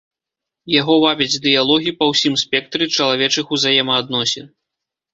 Яго вабяць дыялогі па ўсім спектры чалавечых узаемаадносін.